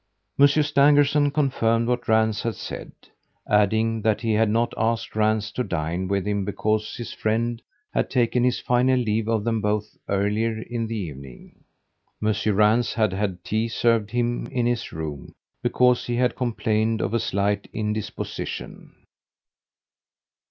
Monsieur Stangerson confirmed what Rance had said, adding that he had not asked Rance to dine with him because his friend had taken his final leave of them both earlier in the evening. Monsieur Rance had had tea served him in his room, because he had complained of a slight indisposition.